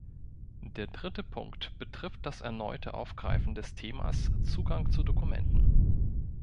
Der dritte Punkt betrifft das erneute Aufgreifen des Themas Zugang zu Dokumenten.